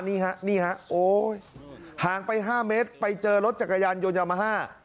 นี่ฮะห่างไป๕เมตรไปเจอรถจักรยานโยนยามาฮ่า